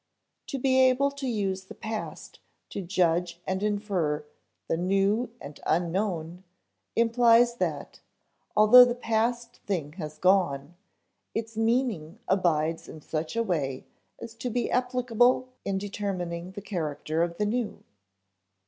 To be able to use the past to judge and infer the new and unknown implies that, although the past thing has gone, its meaning abides in such a way as to be applicable in determining the character of the new.